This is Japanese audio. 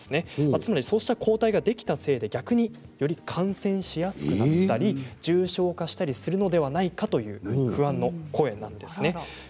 つまりそうした抗体ができたせいで逆により感染しやすくなったり重症化したりするのではないかという不安の声なんです。